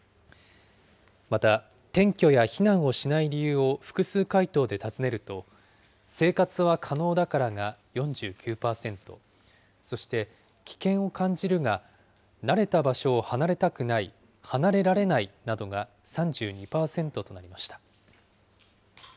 また、転居や避難をしない理由を複数回答で尋ねると、生活は可能だからが４９％、そして危険を感じるが慣れた場所を離れたくない、離れられないなどが３２％となりました。